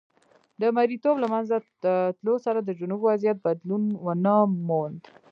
د مریتوب له منځه تلو سره د جنوب وضعیت بدلون ونه موند.